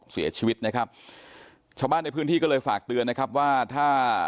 เสียชีวิตนะครับชาวบ้านในพื้นที่ก็เลยฝากเตือนนะครับว่าถ้า